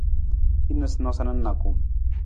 Hin noosanoosa na nijakung.